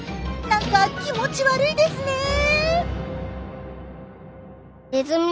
なんか気持ち悪いですね。